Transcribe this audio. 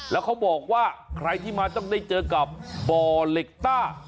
แล้วเขาบอกว่าใครที่มาต้องได้เจอกับบ่อเหล็กต้า